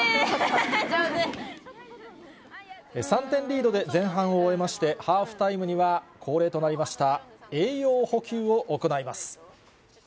３点リードで前半を終えまして、ハーフタイムには、恒例となりました栄養補給を行います。